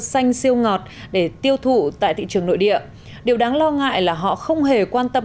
xanh siêu ngọt để tiêu thụ tại thị trường nội địa điều đáng lo ngại là họ không hề quan tâm